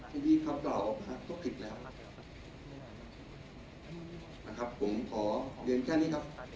พี่ครับกล่าวว่าพาเขาผิดแล้วนะครับผมขอเรียนแค่นี้ครับ